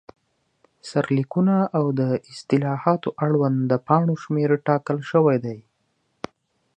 سرلیکونه، او د اصطلاحاتو اړوند د پاڼو شمېر ټاکل شوی دی.